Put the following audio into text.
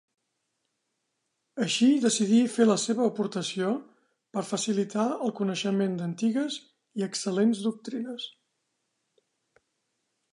Així decidí fer la seva aportació per facilitar el coneixement d’antigues i excel·lents doctrines.